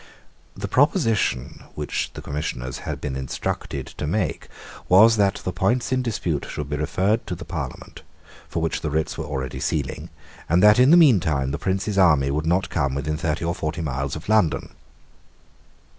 The proposition which the Commissioners had been instructed to make was that the points in dispute should be referred to the Parliament, for which the writs were already sealing, and that in the mean time the Prince's army would not come within thirty or forty miles of London.